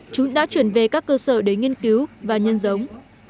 chúng đã chuyển về các cơ sở để nghiên cứu và nhân giống